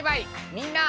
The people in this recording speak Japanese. みんな。